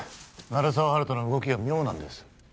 鳴沢温人の動きが妙なんです